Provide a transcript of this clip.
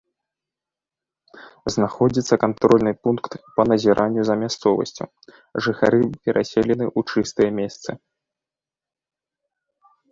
Знаходзіцца кантрольны пункт па назіранню за мясцовасцю, жыхары пераселены ў чыстыя месцы.